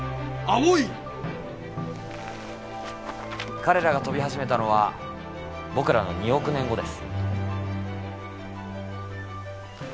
彼らが飛び始めたのは僕らの２億年後です。